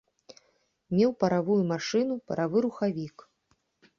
Меў паравую машыну, паравы рухавік.